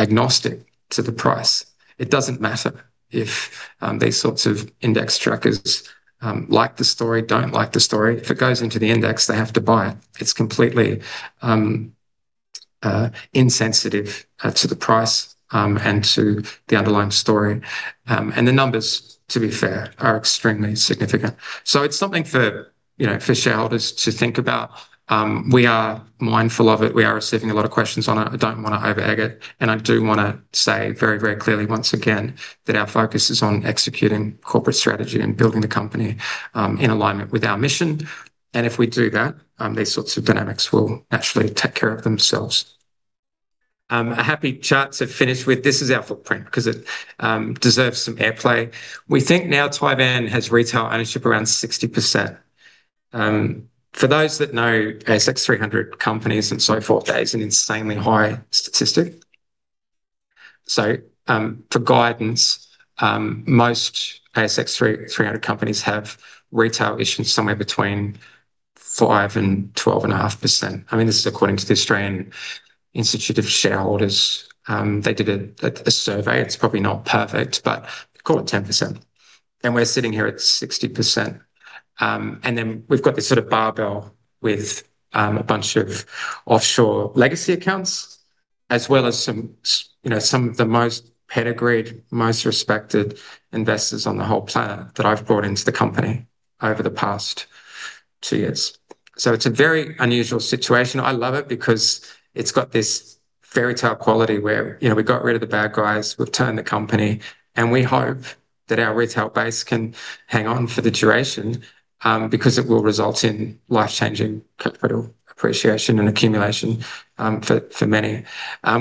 Agnostic to the price. It doesn't matter if these sorts of index trackers like the story, don't like the story. If it goes into the index, they have to buy it. It's completely insensitive to the price and to the underlying story. And the numbers, to be fair, are extremely significant. So it's something for, you know, for shareholders to think about. We are mindful of it. We are receiving a lot of questions on it. I don't want to over-egg it. I do want to say very, very clearly, once again, that our focus is on executing corporate strategy and building the company, in alignment with our mission. If we do that, these sorts of dynamics will actually take care of themselves. A happy chart to finish with. This is our footprint because it deserves some airplay. We think now Tivan has retail ownership around 60%. For those that know ASX 300 companies and so forth, that is an insanely high statistic. So, for guidance, most ASX 300 companies have retail issues somewhere between 5%-12.5%. I mean, this is according to the Australian Institute of Shareholders. They did a survey. It's probably not perfect, but call it 10%. And we're sitting here at 60%. And then we've got this sort of barbell with a bunch of offshore legacy accounts, as well as some, you know, some of the most pedigreed, most respected investors on the whole planet that I've brought into the company over the past two years. So it's a very unusual situation. I love it because it's got this fairytale quality where, you know, we got rid of the bad guys, we've turned the company, and we hope that our retail base can hang on for the duration, because it will result in life-changing capital appreciation and accumulation, for, for many.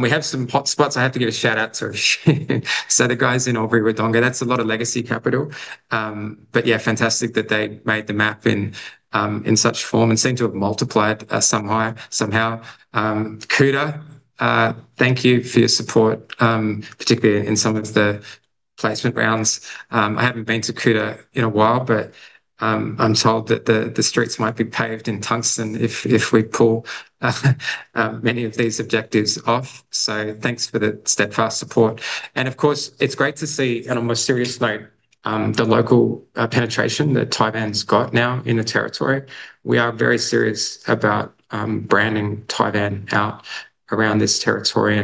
We have some hotspots. I have to give a shout out to, so the guys in Albury-Wodonga, that's a lot of legacy capital. But yeah, fantastic that they made the map in, in such form and seem to have multiplied, somehow, somehow. Kuta, thank you for your support, particularly in some of the placement rounds. I haven't been to Kuta in a while, but, I'm told that the, the streets might be paved in tungsten if, if we pull, many of these objectives off. So thanks for the steadfast support. And of course, it's great to see, on a more serious note, the local penetration that Tivan's got now in the Territory. We are very serious about branding Tivan out around this Territory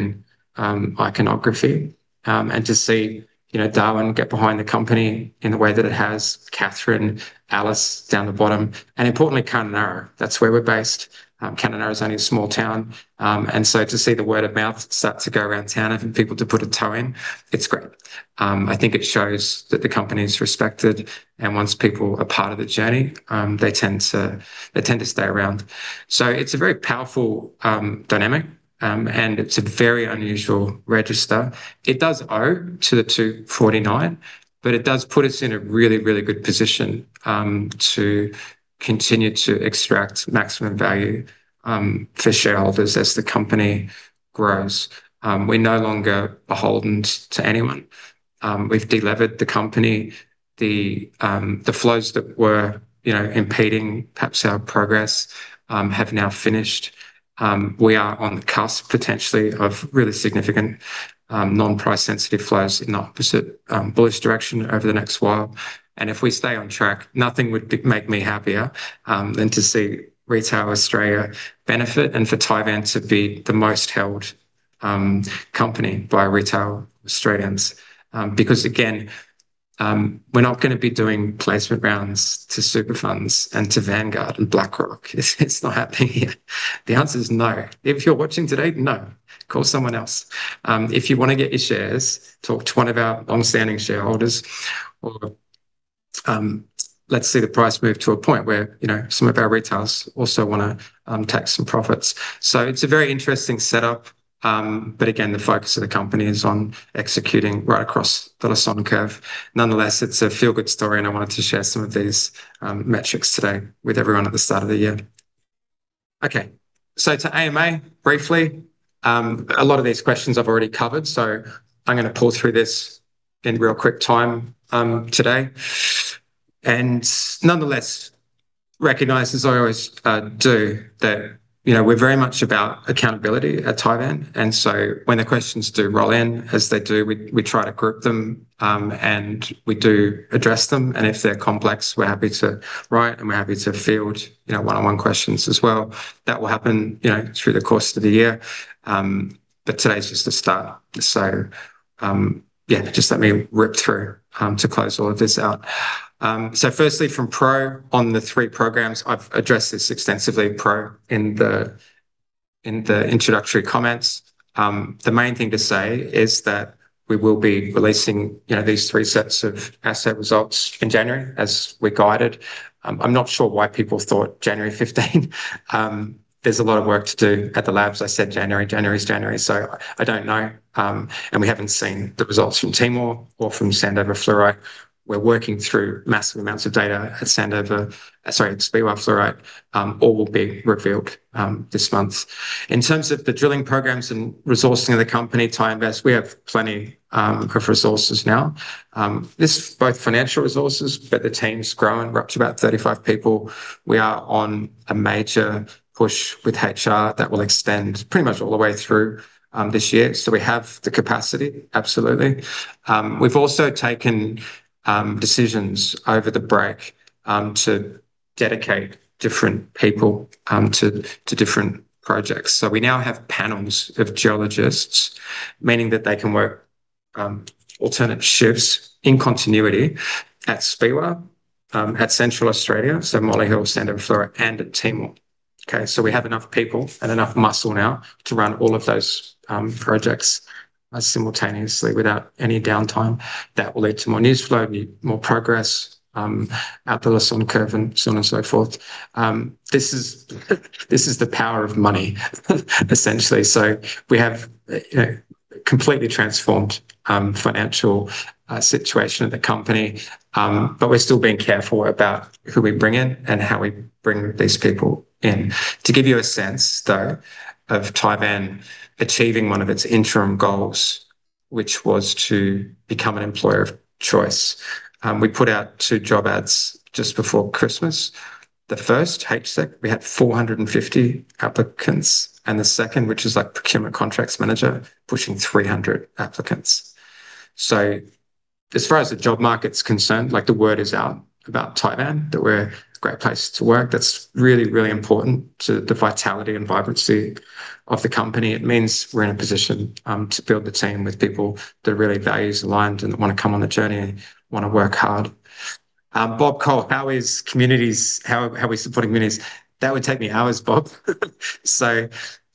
and iconography, and to see, you know, Darwin get behind the company in the way that it has. Katherine, Alice down the bottom, and importantly, Kununurra. That's where we're based. Kununurra is only a small town, and so to see the word of mouth start to go around town, having people to put a toe in, it's great. I think it shows that the company's respected, and once people are part of the journey, they tend to stay around. So it's a very powerful dynamic, and it's a very unusual register. It does allude to the 249, but it does put us in a really, really good position to continue to extract maximum value for shareholders as the company grows. We're no longer beholden to anyone. We've delivered the company. The flows that were, you know, impeding perhaps our progress have now finished. We are on the cusp potentially of really significant, non-price sensitive flows in the opposite, bullish direction over the next while. And if we stay on track, nothing would make me happier than to see retail Australia benefit and for Tivan to be the most held company by retail Australians. Because again, we're not going to be doing placement rounds to super funds and to Vanguard and BlackRock. It's not happening here. The answer is no. If you're watching today, no. Call someone else. If you want to get your shares, talk to one of our longstanding shareholders or, let's see the price move to a point where, you know, some of our retailers also want to take some profits. So it's a very interesting setup. But again, the focus of the company is on executing right across the Lassonde Curve. Nonetheless, it's a feel-good story, and I wanted to share some of these metrics today with everyone at the start of the year. Okay, so to AMA briefly, a lot of these questions I've already covered, so I'm going to pull through this in real quick time today. And nonetheless, recognize, as I always do, that, you know, we're very much about accountability at Tivan. And so when the questions do roll in, as they do, we try to group them, and we do address them. And if they're complex, we're happy to write and we're happy to field, you know, one-on-one questions as well. That will happen, you know, through the course of the year. But today's just a start. So, yeah, just let me rip through, to close all of this out. So firstly, from Pro on the three programs, I've addressed this extensively, Pro, in the, in the introductory comments. The main thing to say is that we will be releasing, you know, these three sets of asset results in January as we're guided. I'm not sure why people thought January 15. There's a lot of work to do at the labs. I said January, January's January. So I don't know. And we haven't seen the results from Timor or from Sandover Fluorite. We're working through massive amounts of data at Sandover, sorry, at Speewah Fluorite. All will be revealed, this month. In terms of the drilling programs and resourcing of the company, Tivan, we've plenty of resources now. This is both financial resources, but the team's grown, we're up to about 35 people. We are on a major push with HR that will extend pretty much all the way through this year. So we have the capacity, absolutely. We've also taken decisions over the break to dedicate different people to different projects. So we now have panels of geologists, meaning that they can work alternate shifts in continuity at Speewah, at Central Australia, so Molyhil, Sandover, and at Timor. Okay, so we have enough people and enough muscle now to run all of those projects simultaneously without any downtime. That will lead to more news flow, more progress, out the Lassonde Curve and so on and so forth. This is the power of money, essentially. So we have, you know, completely transformed financial situation at the company, but we're still being careful about who we bring in and how we bring these people in. To give you a sense, though, of Tivan achieving one of its interim goals, which was to become an employer of choice, we put out two job ads just before Christmas. The first, HSEC, we had 450 applicants, and the second, which was like procurement contracts manager, pushing 300 applicants. So as far as the job market's concerned, like the word is out about Tivan, that we're a great place to work. That's really, really important to the vitality and vibrancy of the company. It means we're in a position to build the team with people that are really values aligned and that want to come on the journey, want to work hard. Bob Cole, how are communities, how are we supporting communities? That would take me hours, Bob. So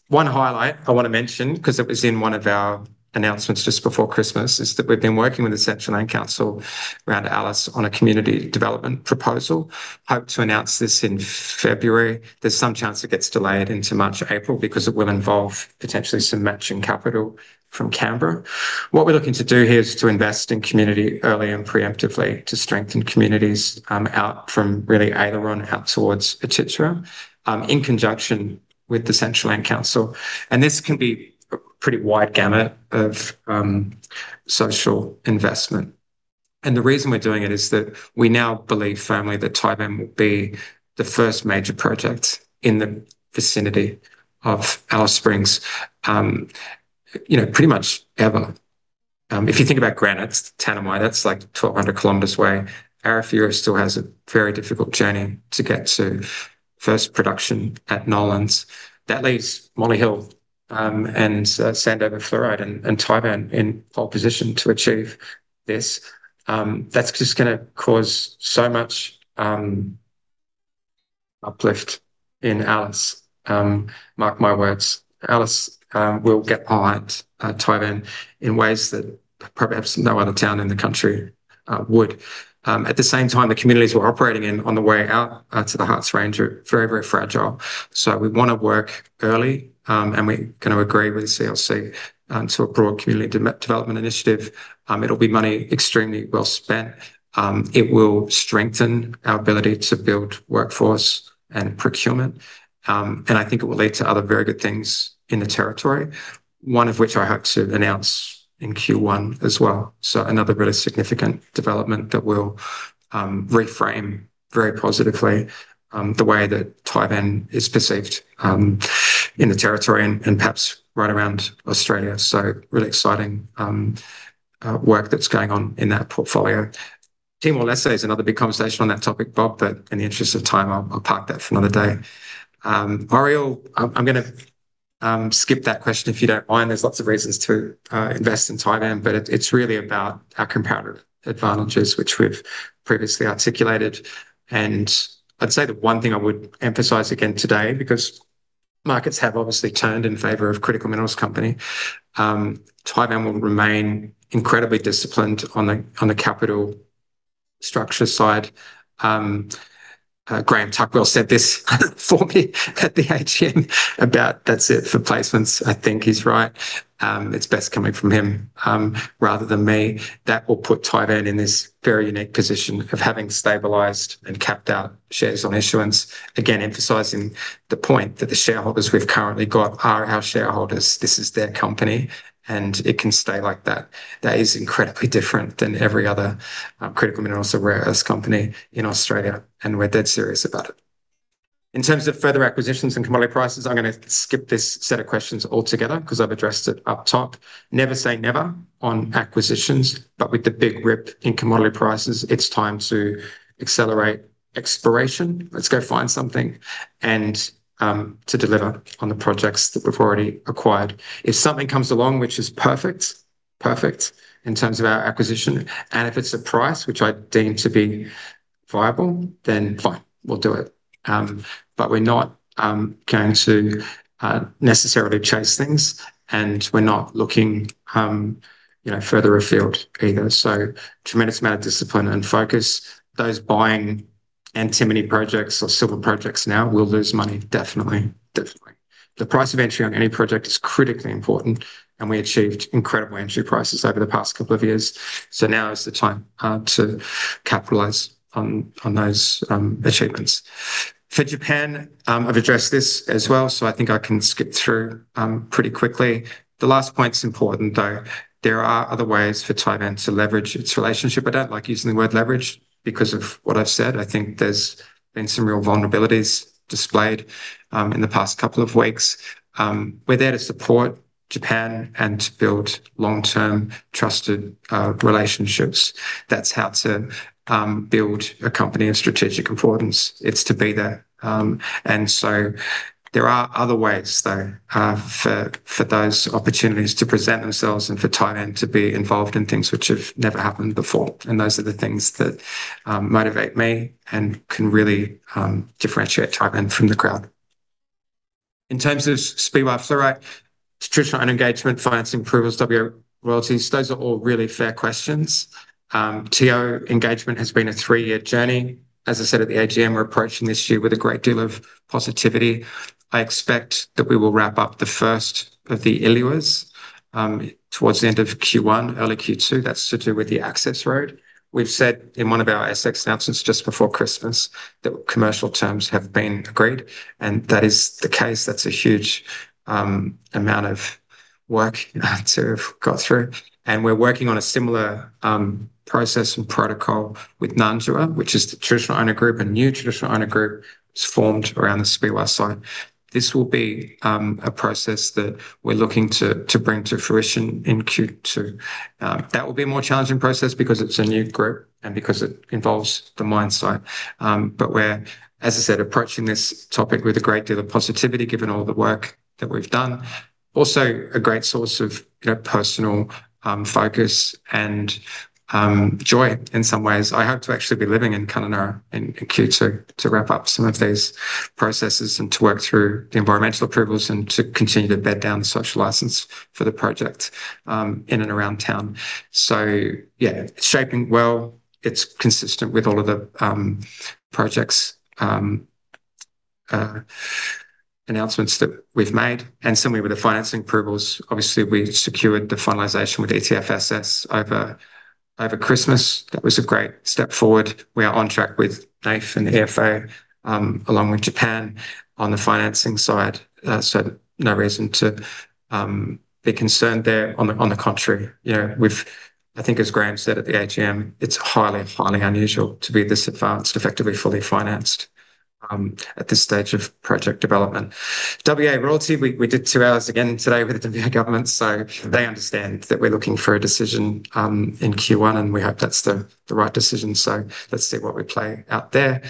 one highlight I want to mention, because it was in one of our announcements just before Christmas, is that we've been working with the Central Land Council around Alice on a community development proposal. Hope to announce this in February. There's some chance it gets delayed into March, April, because it will involve potentially some matching capital from Canberra. What we're looking to do here is to invest in community early and preemptively to strengthen communities, out from really Aileron out towards Ti Tree, in conjunction with the Central Land Council. And this can be a pretty wide gamut of social investment. And the reason we're doing it is that we now believe firmly that Tivan will be the first major project in the vicinity of Alice Springs, you know, pretty much ever. If you think about The Granites, Tanami, that's like 1,200 kilometers away. Arafura still has a very difficult journey to get to first production at Nolans. That leaves Molyhil, and Sandover Fluorite and Tivan in pole position to achieve this. That's just going to cause so much uplift in Alice. Mark my words. Alice will get behind Tivan in ways that perhaps no other town in the country would. At the same time, the communities we're operating in on the way out to the Harts Range are very, very fragile. So we want to work early, and we're going to agree with the CLC to a broad community development initiative. It'll be money extremely well spent. It will strengthen our ability to build workforce and procurement. and I think it will lead to other very good things in the Territory, one of which I hope to announce in Q1 as well. So another really significant development that will reframe very positively the way that Tivan is perceived in the Territory and perhaps right around Australia. So really exciting work that's going on in that portfolio. Timor-Leste is another big conversation on that topic, Bob, but in the interest of time, I'll park that for another day. Ariel, I'm going to skip that question if you don't mind. There's lots of reasons to invest in Tivan, but it's really about our comparative advantages, which we've previously articulated. And I'd say the one thing I would emphasize again today, because markets have obviously turned in favor of critical minerals company, Tivan will remain incredibly disciplined on the capital structure side. Graham Tuckwell said this for me at the AGM about, that's it for placements. I think he's right. It's best coming from him, rather than me. That will put Tivan in this very unique position of having stabilized and capped out shares on issuance. Again, emphasizing the point that the shareholders we've currently got are our shareholders. This is their company and it can stay like that. That is incredibly different than every other Critical Minerals or rare earth company in Australia, and we're dead serious about it. In terms of further acquisitions and commodity prices, I'm going to skip this set of questions altogether because I've addressed it up top. Never say never on acquisitions, but with the big rip in commodity prices, it's time to accelerate exploration. Let's go find something and, to deliver on the projects that we've already acquired. If something comes along, which is perfect, perfect in terms of our acquisition, and if it's a price, which I deem to be viable, then fine, we'll do it. But we're not going to necessarily chase things and we're not looking, you know, further afield either. So tremendous amount of discipline and focus. Those buying antimony projects or silver projects now will lose money. Definitely, definitely. The price of entry on any project is critically important and we achieved incredible entry prices over the past couple of years. So now is the time to capitalize on those achievements. For Japan, I've addressed this as well, so I think I can skip through pretty quickly. The last point's important, though. There are other ways for Tivan to leverage its relationship. I don't like using the word leverage because of what I've said. I think there's been some real vulnerabilities displayed in the past couple of weeks. We're there to support Japan and to build long-term trusted relationships. That's how to build a company of strategic importance. It's to be there. And so there are other ways though for those opportunities to present themselves and for Tivan to be involved in things which have never happened before. And those are the things that motivate me and can really differentiate Tivan from the crowd. In terms of Speewah Fluorite, Traditional and engagement financing approvals, WA royalties, those are all really fair questions. TO engagement has been a three-year journey. As I said at the AGM, we're approaching this year with a great deal of positivity. I expect that we will wrap up the first of the ILUAs towards the end of Q1, early Q2. That's to do with the access road. We've said in one of our ASX announcements just before Christmas that commercial terms have been agreed, and that is the case. That's a huge amount of work to have got through. And we're working on a similar process and protocol with Ngarinyman, which is the traditional owner group, a new traditional owner group that's formed around the Speewah site. This will be a process that we're looking to bring to fruition in Q2. That will be a more challenging process because it's a new group and because it involves the mine site. But we're, as I said, approaching this topic with a great deal of positivity given all the work that we've done. Also a great source of, you know, personal focus and joy in some ways. I hope to actually be living in Kununurra in Q2 to wrap up some of these processes and to work through the environmental approvals and to continue to bed down the social license for the project, in and around town. Yeah, it's shaping well. It's consistent with all of the projects announcements that we've made. Similarly with the financing approvals, obviously we secured the finalization with ETF Securities over Christmas. That was a great step forward. We are on track with NAIF and the EFA, along with Japan on the financing side. No reason to be concerned there. On the contrary, you know, we've, I think as Graham said at the AGM, it's highly, highly unusual to be this advanced, effectively fully financed, at this stage of project development. WA royalty. We did two hours again today with the WA government, so they understand that we're looking for a decision in Q1 and we hope that's the right decision. So let's see what we play out there.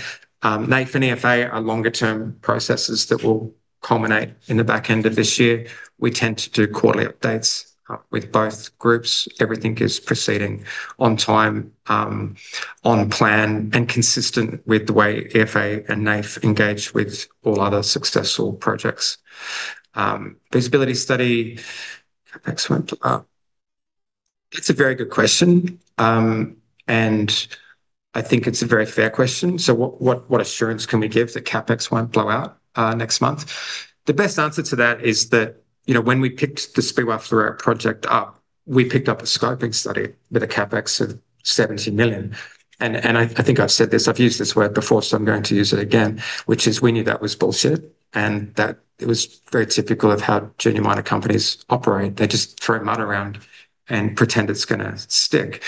NAIF and EFA are longer-term processes that will culminate in the back end of this year. We tend to do quarterly updates with both groups. Everything is proceeding on time, on plan and consistent with the way EFA and NAIF engage with all other successful projects. Visibility study. CapEx won't blow out. That's a very good question, and I think it's a very fair question. So what assurance can we give that CapEx won't blow out next month? The best answer to that is that, you know, when we picked the Speewah Fluorite project up, we picked up a scoping study with a CapEx of 70 million. I think I've said this. I've used this word before, so I'm going to use it again, which is we knew that was bullshit and that it was very typical of how junior miner companies operate. They just throw mud around and pretend it's going to stick.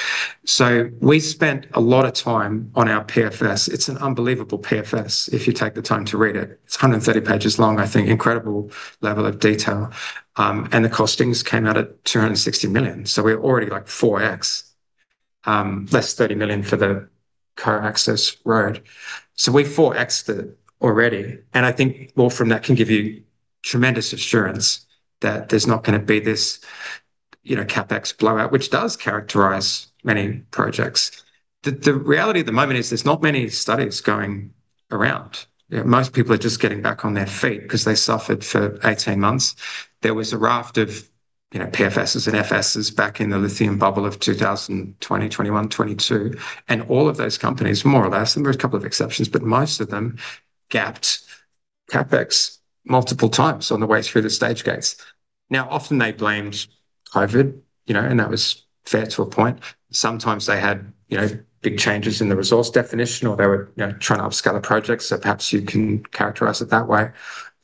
So we spent a lot of time on our PFS. It's an unbelievable PFS if you take the time to read it. It's 130 pages long, I think, incredible level of detail. And the costings came out at 260 million. So we're already like 4x, less 30 million for the access road. So we 4x the already. And I think drawn from that can give you tremendous assurance that there's not going to be this, you know, CapEx blowout, which does characterize many projects. The reality at the moment is there's not many studies going around. Most people are just getting back on their feet because they suffered for 18 months. There was a raft of, you know, PFSs and FSs back in the lithium bubble of 2020, 2021, 2022. And all of those companies, more or less, and there were a couple of exceptions, but most of them gapped CapEx multiple times on the way through the stage gates. Now, often they blamed COVID, you know, and that was fair to a point. Sometimes they had, you know, big changes in the resource definition or they were, you know, trying to upscale the project. So perhaps you can characterize it that way.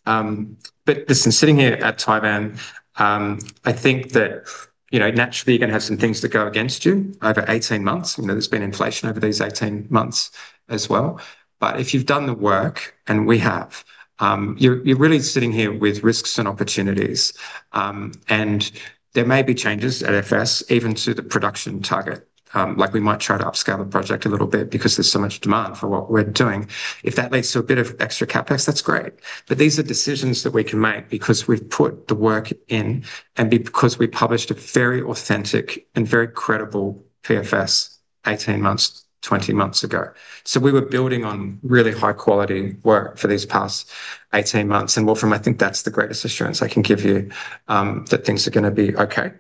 But listen, sitting here at Tivan, I think that, you know, naturally you're going to have some things that go against you over 18 months. You know, there's been inflation over these 18 months as well. But if you've done the work and we have, you're really sitting here with risks and opportunities. There may be changes at FS even to the production target, like we might try to upscale the project a little bit because there's so much demand for what we're doing. If that leads to a bit of extra CapEx, that's great. But these are decisions that we can make because we've put the work in and because we published a very authentic and very credible PFS 18 months, 20 months ago. So we were building on really high quality work for these past 18 months. Wolfram, I think that's the greatest assurance I can give you, that things are going to be okay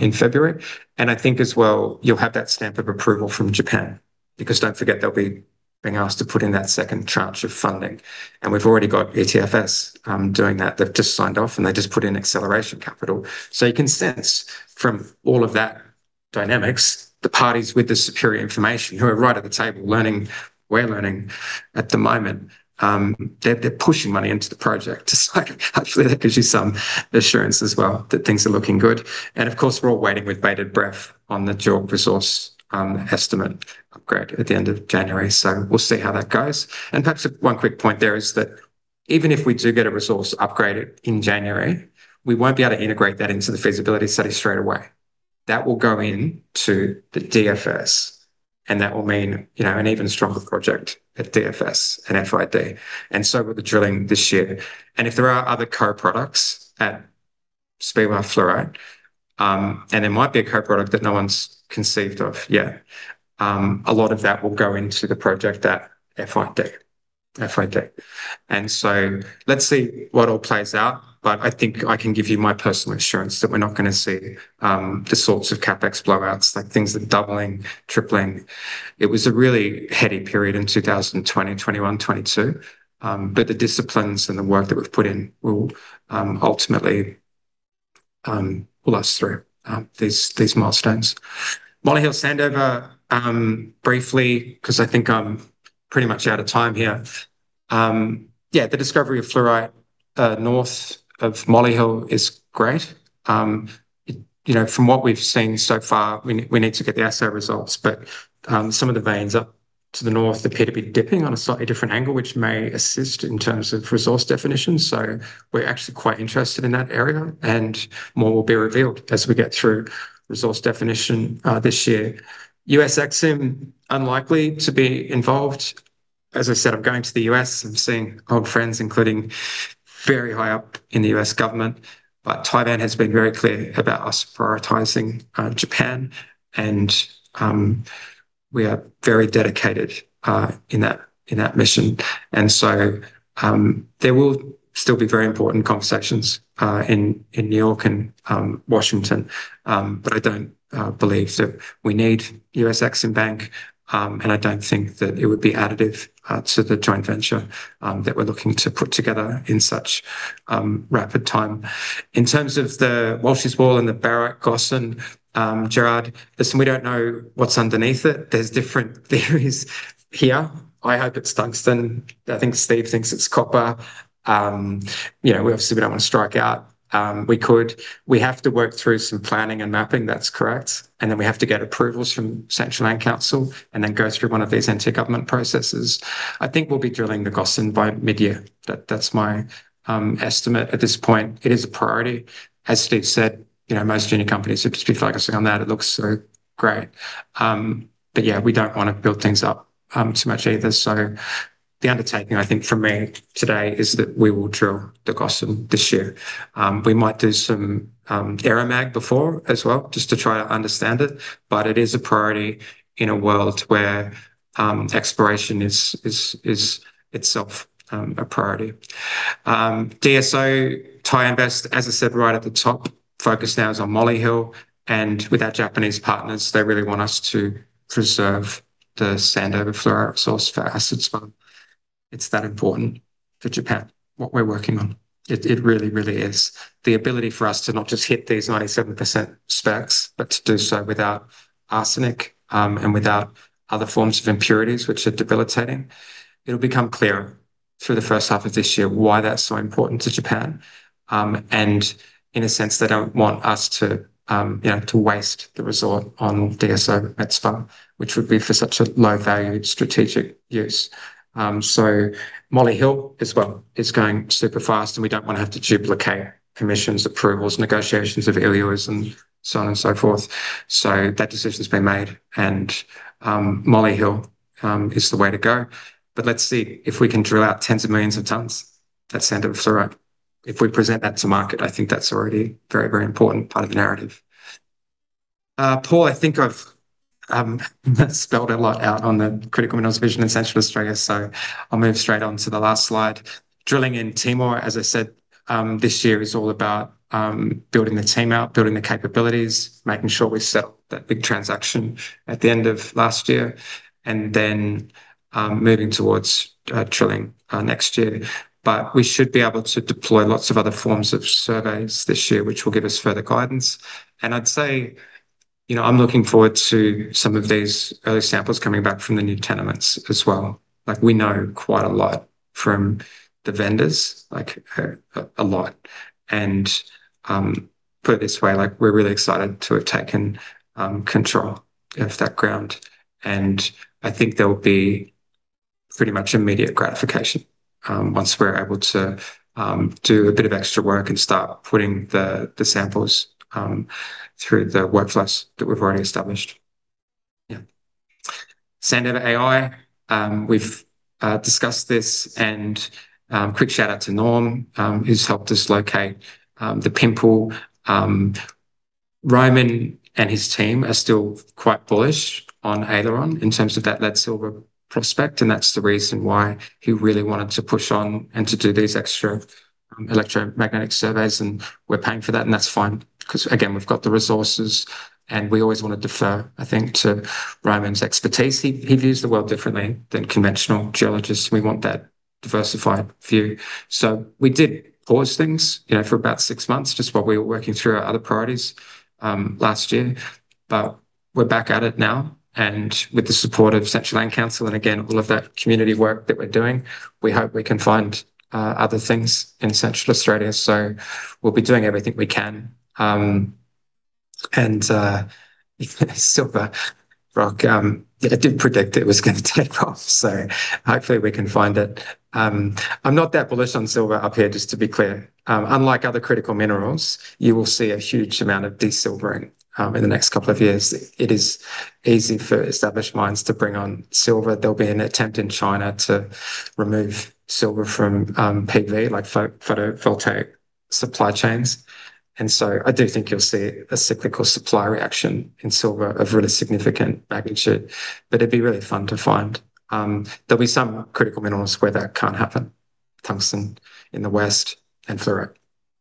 in February. I think as well you'll have that stamp of approval from Japan because don't forget they'll be being asked to put in that second tranche of funding. We've already got ETFs doing that. They've just signed off and they just put in acceleration capital. You can sense from all of that dynamics the parties with the superior information who are right at the table learning. We're learning at the moment. They're pushing money into the project. Actually that gives you some assurance as well that things are looking good. Of course we're all waiting with bated breath on the dual resource estimate upgrade at the end of January. We'll see how that goes. And perhaps one quick point there is that even if we do get a resource upgrade in January, we won't be able to integrate that into the feasibility study straight away. That will go into the DFS and that will mean, you know, an even stronger project at DFS and FID. And so with the drilling this year. And if there are other co-products at Speewah fluorite, and there might be a co-product that no one's conceived of yet, a lot of that will go into the project at FID, FID. And so let's see what all plays out, but I think I can give you my personal assurance that we're not going to see the sorts of CapEx blowouts, like things that doubling, tripling. It was a really heady period in 2020, 2021, 2022, but the disciplines and the work that we've put in will ultimately pull us through these milestones. Molyhil Sandover, briefly, because I think I'm pretty much out of time here. Yeah, the discovery of fluorite north of Molyhil is great. You know, from what we've seen so far, we need to get the assay results, but some of the veins up to the north appear to be dipping on a slightly different angle, which may assist in terms of resource definition, so we're actually quite interested in that area and more will be revealed as we get through resource definition this year. U.S. EXIM unlikely to be involved. As I said, I'm going to the U.S. I've seen old friends, including very high up in the U.S. government, but Taiwan has been very clear about us prioritizing Japan. And we are very dedicated in that, in that mission. And so there will still be very important conversations in New York and Washington, but I don't believe so we need U.S. EXIM Bank, and I don't think that it would be additive to the joint venture that we're looking to put together in such rapid time. In terms of the Walsh's Wall and the Barite Gossan, Gerard, listen, we don't know what's underneath it. There's different theories here. I hope it's tungsten. I think Steve thinks it's copper. You know, we obviously don't want to strike out. We could; we have to work through some planning and mapping. That's correct. Then we have to get approvals from Central Land Council and then go through one of these anti-government processes. I think we'll be drilling the Gossan by mid-year. That's my estimate at this point. It is a priority. As Steve said, you know, most junior companies have just been focusing on that. It looks so great, but yeah, we don't want to build things up too much either. The undertaking, I think for me today is that we will drill the Gossan this year. We might do some aeromag before as well just to try to understand it, but it is a priority in a world where exploration is itself a priority. DSO, Tivan, as I said, right at the top, focus now is on Molyhil. And with our Japanese partners, they really want us to preserve the Sandover Fluorite Resource for assets as well. It's that important for Japan, what we're working on. It really, really is. The ability for us to not just hit these 97% specs, but to do so without arsenic, and without other forms of impurities, which are debilitating. It'll become clearer through the first half of this year why that's so important to Japan, and in a sense, they don't want us to, you know, to waste the resource on DSO at Speewah, which would be for such a low-value strategic use, so Molyhil as well is going super fast and we don't want to have to duplicate permissions, approvals, negotiations of ILUAs and so on and so forth, so that decision's been made and, Molyhil, is the way to go. Let's see if we can drill out tens of millions of tons at Sandover Fluorite. If we present that to market, I think that's already a very, very important part of the narrative. Paul, I think I've spelled a lot out on the critical minerals vision in Central Australia. So I'll move straight on to the last slide. Drilling in Timor, as I said, this year is all about building the team out, building the capabilities, making sure we settle that big transaction at the end of last year and then moving towards drilling next year. We should be able to deploy lots of other forms of surveys this year, which will give us further guidance. I'd say, you know, I'm looking forward to some of these early samples coming back from the new tenements as well. Like we know quite a lot from the vendors, like a lot. And put it this way, like we're really excited to have taken control of that ground. And I think there will be pretty much immediate gratification once we're able to do a bit of extra work and start putting the samples through the workflows that we've already established. Yeah. Sandover AI, we've discussed this and quick shout out to Norm, who's helped us locate the Pimple. Roman and his team are still quite bullish on Aileron in terms of that lead silver prospect. And that's the reason why he really wanted to push on and to do these extra electromagnetic surveys. And we're paying for that. And that's fine because again, we've got the resources and we always want to defer, I think, to Roman's expertise. He views the world differently than conventional geologists. We want that diversified view. So we did pause things, you know, for about six months, just while we were working through our other priorities, last year. But we're back at it now. And with the support of Central Land Council and again, all of that community work that we're doing, we hope we can find other things in Central Australia. So we'll be doing everything we can. And, Silver Rock, I did predict it was going to take off. So hopefully we can find it. I'm not that bullish on silver up here, just to be clear. Unlike other critical minerals, you will see a huge amount of desilvering in the next couple of years. It is easy for established mines to bring on silver. There'll be an attempt in China to remove silver from PV, like photovoltaic supply chains. And so I do think you'll see a cyclical supply reaction in silver of really significant magnitude. But it'd be really fun to find. There'll be some critical minerals where that can't happen. Tungsten in the west and fluorite,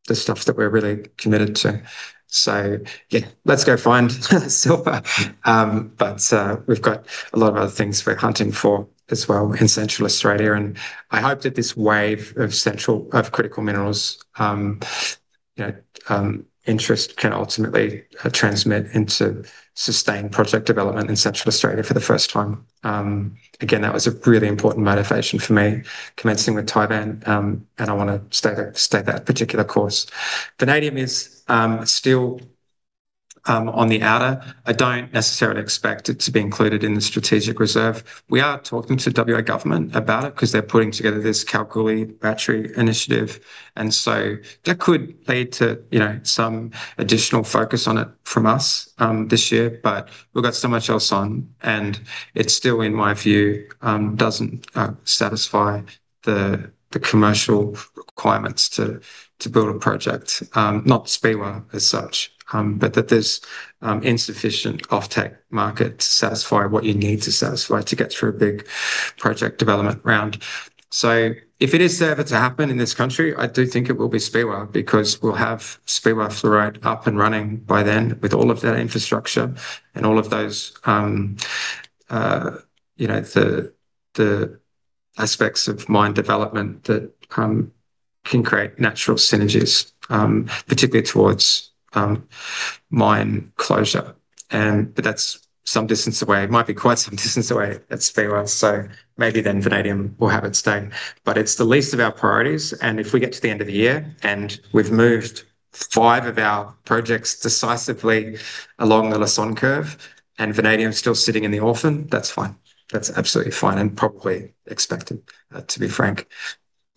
the stuff that we're really committed to. So yeah, let's go find silver. But we've got a lot of other things we're hunting for as well in Central Australia. And I hope that this wave of central, of critical minerals, you know, interest can ultimately transmit into sustained project development in Central Australia for the first time. Again, that was a really important motivation for me commencing with Tivan. And I want to stay that, stay that particular course. Vanadium is still on the outer. I don't necessarily expect it to be included in the strategic reserve. We are talking to WA government about it because they're putting together this Kalgoorlie battery initiative, and so that could lead to, you know, some additional focus on it from us this year, but we've got so much else on and it still, in my view, doesn't satisfy the commercial requirements to build a project, not Speewah as such, but that there's insufficient offtake market to satisfy what you need to satisfy to get through a big project development round, so if it is ever to happen in this country, I do think it will be Speewah because we'll have Speewah fluorite up and running by then with all of that infrastructure and all of those, you know, the aspects of mine development that can create natural synergies, particularly towards mine closure, but that's some distance away. It might be quite some distance away at Speewah. So maybe then vanadium will have its day. But it's the least of our priorities. And if we get to the end of the year and we've moved five of our projects decisively along the Lassonde Curve and vanadium is still sitting in the orphan, that's fine. That's absolutely fine and probably expected, to be frank.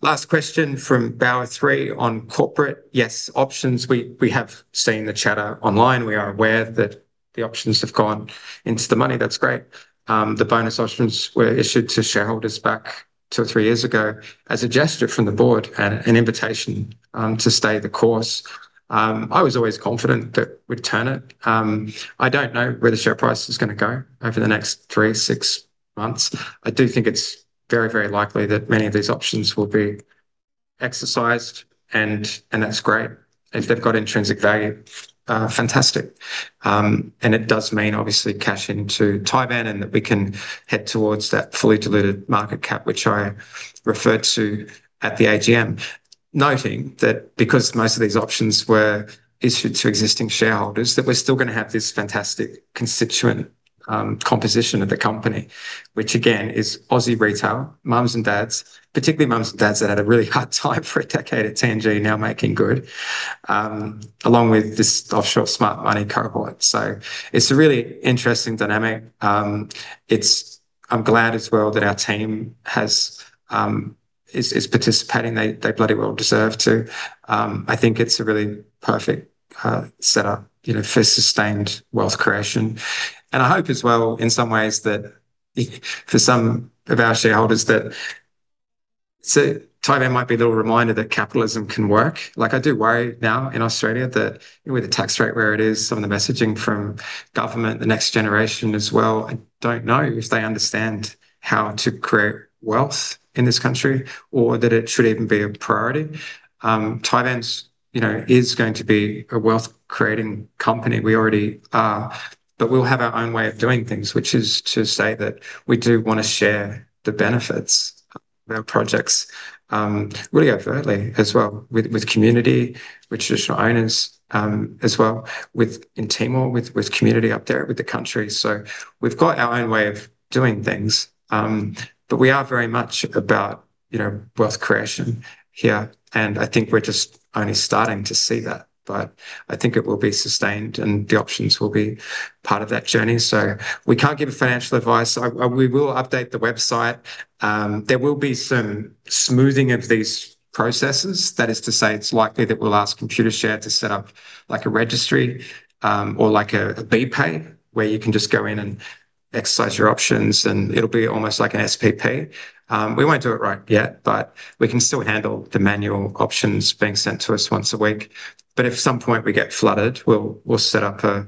Last question from Bower Three on corporate. Yes, options. We have seen the chatter online. We are aware that the options have gone into the money. That's great. The bonus options were issued to shareholders back two or three years ago as a gesture from the board and an invitation to stay the course. I was always confident that we'd turn it. I don't know where the share price is going to go over the next three, six months. I do think it's very, very likely that many of these options will be exercised, and that's great. If they've got intrinsic value, fantastic, and it does mean obviously cash into Tivan and that we can head towards that fully diluted market cap, which I referred to at the AGM, noting that because most of these options were issued to existing shareholders, that we're still going to have this fantastic constituency composition of the company, which again is Aussie retail, moms and dads, particularly moms and dads that had a really hard time for a decade at TNG now making good, along with this offshore smart money cohort. So it's a really interesting dynamic. It's, I'm glad as well that our team is participating. They bloody well deserve to. I think it's a really perfect setup, you know, for sustained wealth creation. I hope as well in some ways that for some of our shareholders that Tivan might be a little reminder that capitalism can work. Like I do worry now in Australia that with the tax rate where it is, some of the messaging from government, the next generation as well, I don't know if they understand how to create wealth in this country or that it should even be a priority. Tivan's, you know, is going to be a wealth creating company. We already are, but we'll have our own way of doing things, which is to say that we do want to share the benefits of our projects, really overtly as well with community, with traditional owners, as well with, in Timor-Leste, with community up there with the country. So we've got our own way of doing things, but we are very much about, you know, wealth creation here. And I think we're just only starting to see that, but I think it will be sustained and the options will be part of that journey. So we can't give financial advice. We will update the website. There will be some smoothing of these processes. That is to say, it's likely that we'll ask Computershare to set up like a registry, or like a BPAY where you can just go in and exercise your options and it'll be almost like an SPP. We won't do it right yet, but we can still handle the manual options being sent to us once a week. But if at some point we get flooded, we'll, we'll set up a,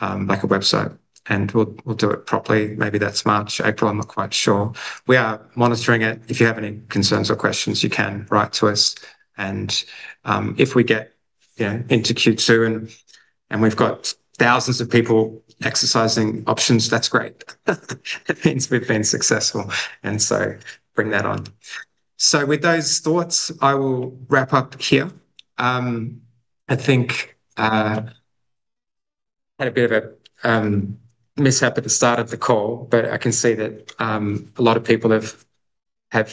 like a website and we'll, we'll do it properly. Maybe that's March, April. I'm not quite sure. We are monitoring it. If you have any concerns or questions, you can write to us. And if we get, you know, into Q2 and we've got thousands of people exercising options, that's great. That means we've been successful. And so bring that on. So with those thoughts, I will wrap up here. I think we had a bit of a mishap at the start of the call, but I can see that a lot of people have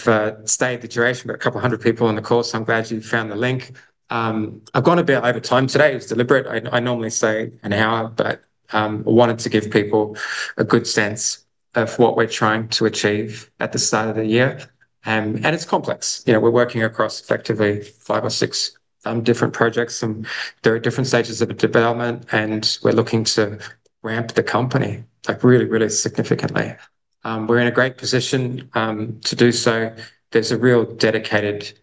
stayed the duration, but a couple hundred people on the call. So I'm glad you found the link. I've gone a bit over time today. It was deliberate. I normally say an hour, but I wanted to give people a good sense of what we're trying to achieve at the start of the year, and it's complex. You know, we're working across effectively five or six different projects and there are different stages of development and we're looking to ramp the company like really, really significantly. We're in a great position to do so. There's a real dedicated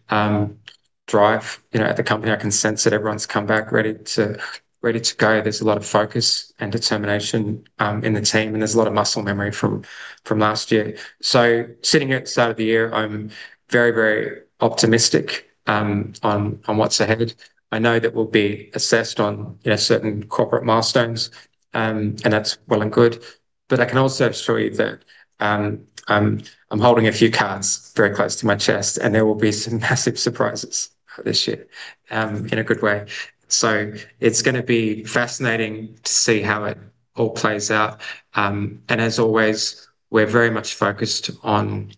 drive, you know, at the company. I can sense that everyone's come back ready to, ready to go. There's a lot of focus and determination in the team and there's a lot of muscle memory from, from last year. So sitting at the start of the year, I'm very, very optimistic on, on what's ahead. I know that we'll be assessed on, you know, certain corporate milestones, and that's well and good. But I can also assure you that I'm, I'm holding a few cards very close to my chest and there will be some massive surprises this year, in a good way. So it's going to be fascinating to see how it all plays out, and as always, we're very much focused on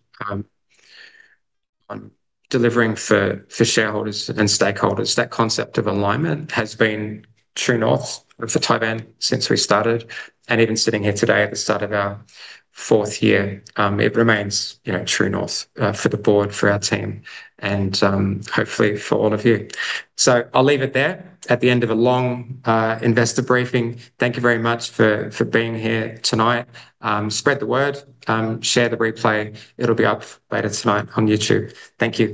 delivering for shareholders and stakeholders. That concept of alignment has been true north for Tivan since we started and even sitting here today at the start of our fourth year. It remains, you know, true north for the board, for our team and, hopefully for all of you, so I'll leave it there at the end of a long investor briefing. Thank you very much for being here tonight. Spread the word, share the replay. It'll be up later tonight on YouTube. Thank you.